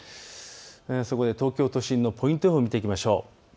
そこで東京都心のポイント予報を見ていきましょう。